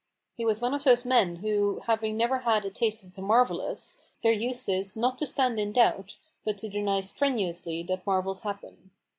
He was one of those men who, having never had a taste of the marvellous, their use is, not to stand in doubt, but to deny strenuously that marvels happen.